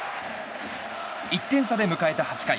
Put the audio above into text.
１点差で迎えた８回。